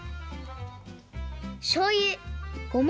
しょうゆごま